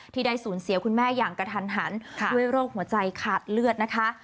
ที่ได้สูญเสียคุณแม่อย่างกระทันหันด้วยโรคหัวใจขาดเลือดนะคะ